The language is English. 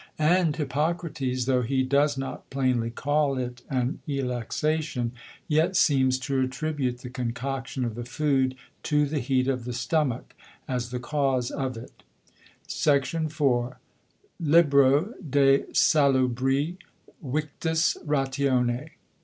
And Hippocrates, tho' he does not plainly call it an Elixation, yet seems to attribute the Concoction of the Food to the Heat of the Stomach, as the Cause of it, Sect. 4. Libro de salubri victus ratione.